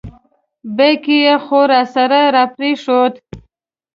بیک خو یې راسره را پرېښود.